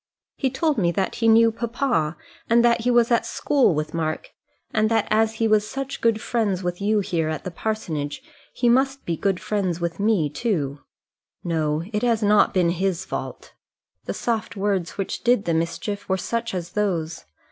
He told me that he knew papa, and that he was at school with Mark, and that as he was such good friends with you here at the parsonage, he must be good friends with me too. No; it has not been his fault. The soft words which did the mischief were such as those.